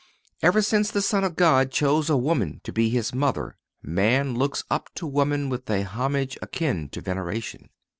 Ever since the Son of God chose a woman to be His mother man looks up to woman with a homage akin to veneration.